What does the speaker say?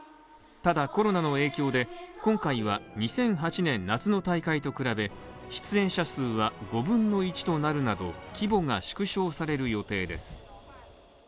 ただコロナの影響で今回は２００８年夏の大会と比べ、出演者数は５分の１となるなど、規模が縮小される予定です。